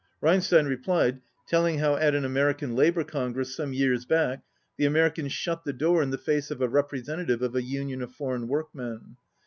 Reinstein replied, telling how at an American labour congress some years back the Americans shut the door in the face of a represent ative of a union of foreign workmen.